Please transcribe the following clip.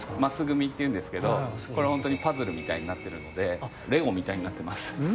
組っていうんですけどパズルみたいになってるのでレゴみたいになってます。